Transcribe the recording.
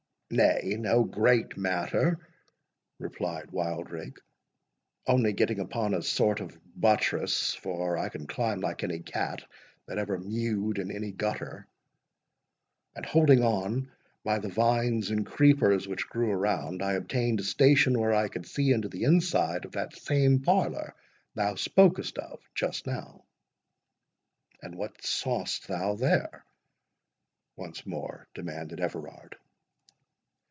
"Nay, no great matter," replied Wildrake; "only getting upon a sort of buttress, (for I can climb like any cat that ever mewed in any gutter,) and holding on by the vines and creepers which grew around, I obtained a station where I could see into the inside of that same parlour thou spokest of just now." "And what saw'st thou there?" once more demanded Everard.